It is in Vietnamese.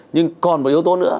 nhưng còn một yếu tố nữa